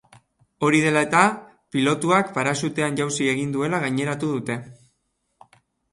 Hori dela eta, pilotuak paraxutean jauzi egin duela gaineratu dute.